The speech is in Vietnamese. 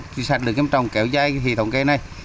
có sạt lở kiếm trọng kéo dài hệ thống cây này